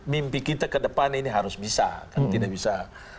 mimpi kita ke depan ini harus bisa kan tidak bisa